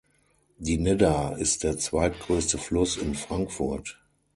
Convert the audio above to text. Die Nidda ist der zweitgrößte Fluss in Frankfurt.